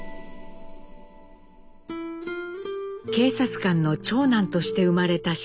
警察官の長男として生まれた雄。